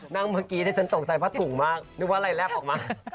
เมื่อกี้ที่ฉันตกใจผ้าถุงมากนึกว่าอะไรแลบออกมา